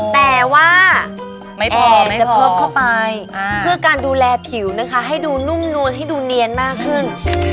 แต่ว่าไม่พอมันจะเพิ่มเข้าไปเพื่อการดูแลผิวนะคะให้ดูนุ่มนวลให้ดูเนียนมากขึ้น